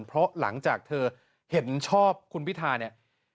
เพราะหลังจากเธอเห็นชอบคุณพิธาริมเจริญรัฐ